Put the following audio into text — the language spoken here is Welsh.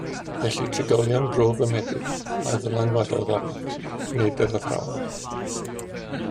Felly trigolion bro fy mebyd a ddylanwadodd arnaf, nid yr athrawon